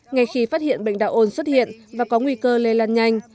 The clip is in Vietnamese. ngay khi phát hiện bệnh đạo ôn xuất hiện và có nguy cơ lây lan nhanh